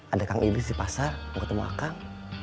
ada kang iblis di pasar mau ketemu kang